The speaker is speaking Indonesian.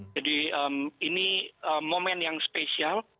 jadi ini momen yang spesial